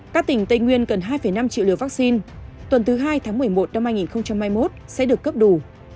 các tỉnh tây nguyên cần hai năm triệu liều vaccine tuần thứ hai tháng một mươi một năm hai nghìn hai mươi một sẽ được cấp đủ